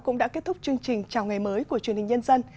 cũng đã kết thúc chương trình chào ngày mới của truyền hình nhân dân